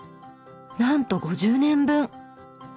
なんと５０年分！